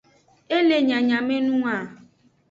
E le nyanyamenung a.